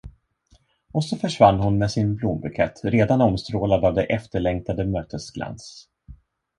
Och så försvann hon med sin blombukett, redan omstrålad av det efterlängtade mötets glans.